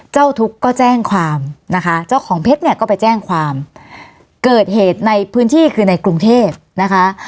เจ้าทุกข์ก็แจ้งความนะคะเจ้าของเพชรเนี่ยก็ไปแจ้งความเกิดเหตุในพื้นที่คือในกรุงเทพนะคะ